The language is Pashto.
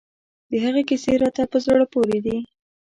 د هغه کیسې راته په زړه پورې دي.